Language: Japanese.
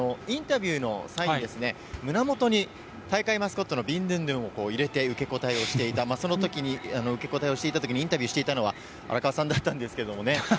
インタビューの際に、胸元に大会マスコットのビンドゥンドゥンを入れて受け答えをしていた、そのときに、受け答えをしていたときに、インタビューしていたのは、荒川さんだったんですけれどもね。